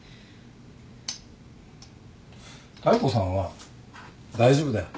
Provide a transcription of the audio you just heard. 妙子さんは大丈夫だよ。